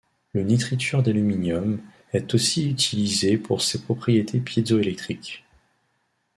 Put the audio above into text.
Le nitrure d'aluminium est aussi utilisé pour ces propriétés piézoélectriques.